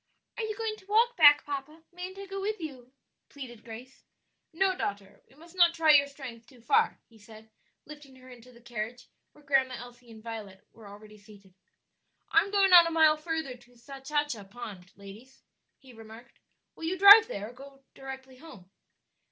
"Are you going to walk back, papa? Mayn't I go with you?" pleaded Grace. "No, daughter, we must not try your strength too far," he said, lifting her into the carriage where Grandma Elsie and Violet were already seated. "I am going on a mile further to Sachacha Pond, ladies," he remarked; "will you drive there, or directly home?"